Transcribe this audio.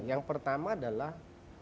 yang pertama adalah